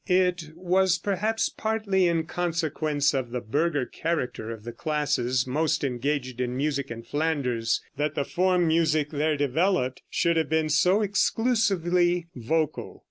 It was perhaps partly in consequence of the burgher character of the classes most engaged in music in Flanders that the form music there developed should have been so exclusively vocal.